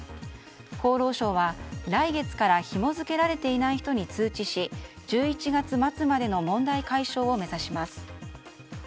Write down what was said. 厚労省は来月からひも付けられていない人に通知し１１月末までの問題解消を目指します。